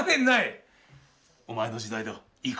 お前の時代だ。